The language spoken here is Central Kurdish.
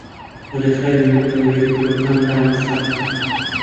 رێکخراوی نەتەوە یەکگرتوەکان دامەزرا